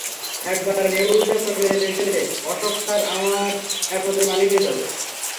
একবার নেউলটা চলে গেলে, অশোক স্যার আমার একমাত্র মালিক হয়ে যাবে।